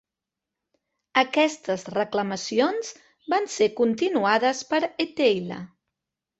Aquestes reclamacions van ser continuades per Etteilla.